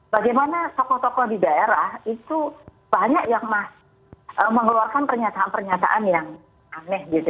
bagaimana tokoh tokoh di daerah itu banyak yang mengeluarkan pernyataan pernyataan yang aneh